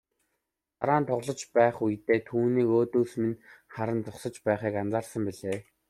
Дараа нь тоглож байх үедээ түүнийг өөдөөс минь харан зогсож байхыг анзаарсан билээ.